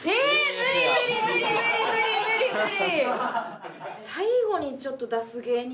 無理無理無理無理無理無理無理！